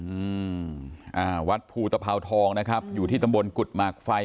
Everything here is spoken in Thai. อืมอ่าวัดภูตภาวทองนะครับอยู่ที่ตำบลกุฎหมากไฟ